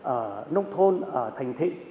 ở nông thôn ở thành thị